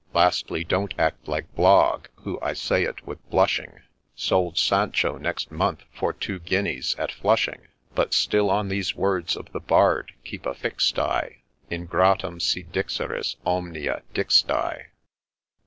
Lastly, don't act like Blogg, who, I say it with blushing, Sold Sancho next month for two guineas at Flushing ; But still on these words of the Bard keep a fix'd eye, INGRATUM si DIXERIS, OMNIA DIXTI !